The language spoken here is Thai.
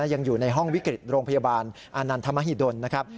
ยังอยู่ในห้องวิกฤตโรงพยาบาลอานันทมหิดลนะครับ